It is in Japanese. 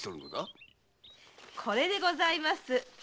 これでございます。